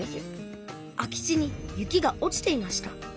空き地に雪が落ちていました。